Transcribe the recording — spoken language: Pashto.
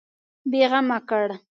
بېغمه کړ.